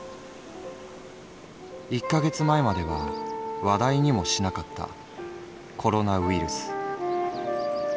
「一ヶ月前までは話題にもしなかったコロナウイルス」。